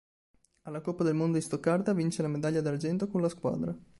Alla Coppa del Mondo di Stoccarda, vince la medaglia d'argento con la squadra.